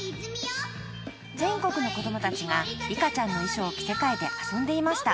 ［全国の子供たちがリカちゃんの衣装を着せ替えて遊んでいました］